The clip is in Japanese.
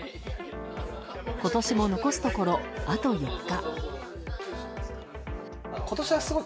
今年も残すところ、あと４日。